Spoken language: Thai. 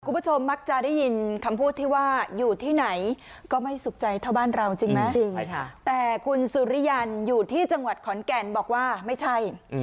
คุณผู้ชมมักจะได้ยินคำพูดที่ว่าอยู่ที่ไหนก็ไม่สุขใจเท่าบ้านเราจริงไหมแต่คุณสุริยันอยู่ที่จังหวัดขอนแก่นบอกว่าไม่ใช่